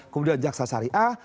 kemudian jaksa syariah